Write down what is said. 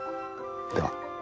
では。